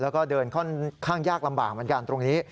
แล้วก็เดินค่อนข้างยากลำบากเหมือนกันตรงนี้